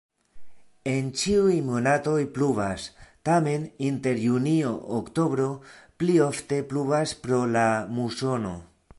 En ĉiuj monatoj pluvas, tamen inter junio-oktobro pli ofte pluvas pro la musono.